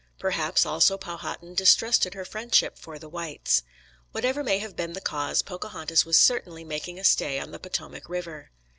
Perhaps also Powhatan distrusted her friendship for the whites. Whatever may have been the cause, Pocahontas was certainly making a stay on the Potomac River.